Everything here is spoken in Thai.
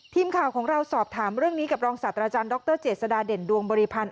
ทีมข่าวของเราสอบถามเรื่องนี้กับรองศาสตราจารย์ดรเจษฎาเด่นดวงบริพันธ์